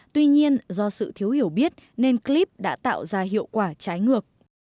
tuy nhiên do sự thiếu hiểu biết nên clip đã tạo ra hiệu quả trái ngược